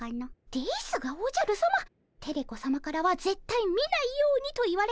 ですがおじゃるさまテレ子さまからはぜったい見ないようにと言われておりますが。